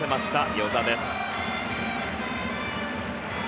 與座です。